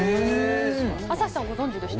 朝日さん、ご存じでした？